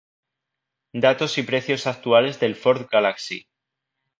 Datos y precios actuales del Ford Galaxy